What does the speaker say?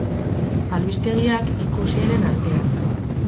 Albistegiak, ikusienen artean.